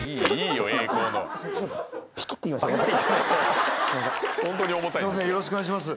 よろしくお願いします